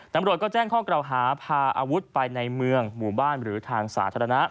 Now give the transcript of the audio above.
ตำรวจก็แจ้งข้อกล่าวหาพาอาวุธไปในเมืองหมู่บ้านหรือทางสาธารณะ